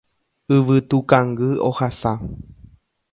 Yvytukangy ohasa